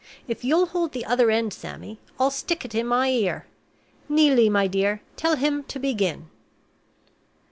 If you'll hold the other end, Sammy, I'll stick it in my ear. Neelie, my dear, tell him to begin."